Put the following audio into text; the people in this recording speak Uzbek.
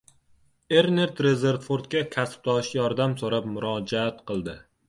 Ernest Rezerfordga kasbdoshi yordam soʻrab murojaat qildi.